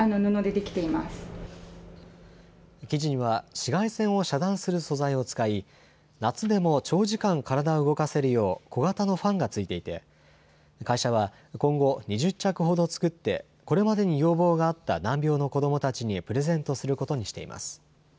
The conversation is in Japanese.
紫外線を遮断する素材を使い、夏でも長時間体を動かせるよう、小型のファンがついていて、会社は今後、２０着ほど作って、これまでに要望があった難病の子どもたちにプレゼントすることにしています。